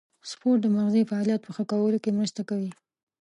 سپورت د مغزي فعالیت په ښه کولو کې مرسته کوي.